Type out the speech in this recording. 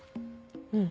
うん。